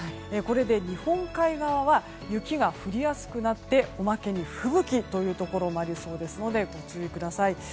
これで日本海側は雪が降りやすくなっておまけに、吹雪というところもありそうですのでご注意ください。